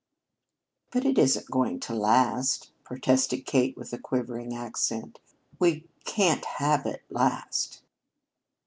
"But it isn't going to last," protested Kate with a quivering accent. "We can't have it last."